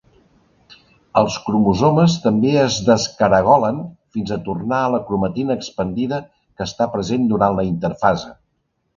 Els cromosomes també es descaragolen fins a tornar a la cromatina expandida que està present durant la interfase.